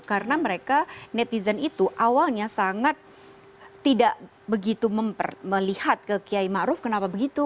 karena mereka netizen itu awalnya sangat tidak begitu melihat ke kiai ma'ruf kenapa begitu